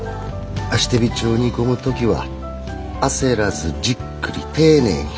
足てびちを煮込む時は焦らずじっくり丁寧に。